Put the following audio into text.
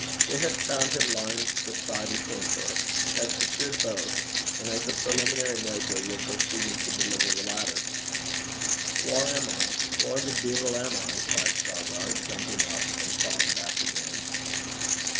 They had found him lying beside his hamper, had secured both, and as a preliminary measure were proceeding to deliver the latter. 'Whaur am I? whaur the deevil am I?' cried Shargar, jumping up and falling back again.